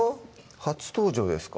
初登場ですか？